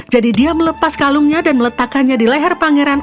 jadi dia melepas kalungnya dan meletakkannya di leher pangeran